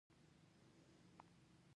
ده به تل له خپل ځان سره يوه خبره کوله.